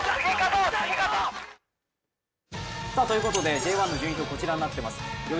Ｊ１の順位表、こうなっています。